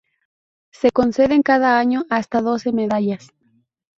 Se conceden cada año hasta doce medallas.